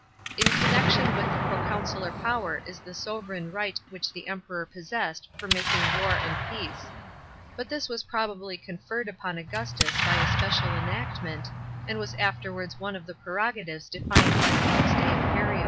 In connection with the proconsular power is the sovran right which the Emperor possessed of making war and peace ; but this was probably conferred upon Augustus by a special enactment, and was afterwards one of the prerogatives defined by the Lex de imperio.